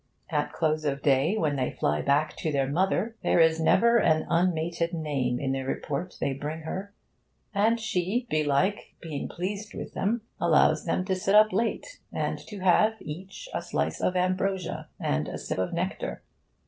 At close of day, when they fly back to their mother, there is never an unmated name in the report they bring her; and she, belike, being pleased with them, allows them to sit up late, and to have each a slice of ambrosia and a sip of nectar.